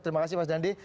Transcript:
terima kasih mas dandi